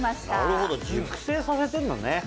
なるほど熟成させてんのね。